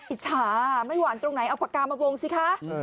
อิจฉาไม่หวานตรงไหนเอาปากกามาวงสิคะ